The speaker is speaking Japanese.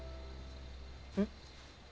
うん？